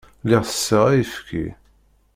Lliɣ tesseɣ ayefki.